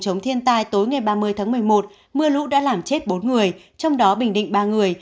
chống thiên tai tối ngày ba mươi tháng một mươi một mưa lũ đã làm chết bốn người trong đó bình định ba người